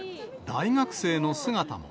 大学生の姿も。